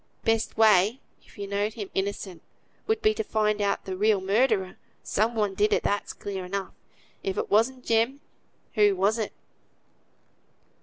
"Best way, if you know'd him innocent, would be to find out the real murderer. Some one did it, that's clear enough. If it wasn't Jem, who was it?"